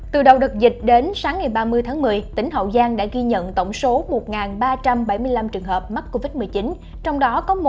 từ đầu đợt dịch đến sáng ngày ba mươi tháng một mươi tỉnh hậu giang đã ghi nhận tổng số một ba trăm bảy mươi năm trường hợp mắc covid một mươi chín